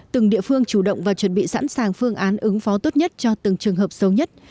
từng địa phương chủ động và chuẩn bị sẵn sàng phương án ứng phó tốt nhất cho từng trường hợp xấu nhất